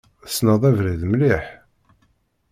Tesneḍ abrid mliḥ?